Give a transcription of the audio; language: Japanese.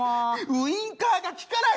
ウィンカーが利かない！